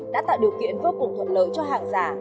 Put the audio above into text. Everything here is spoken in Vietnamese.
đã tạo điều kiện vô cùng thuận lợi cho hàng giả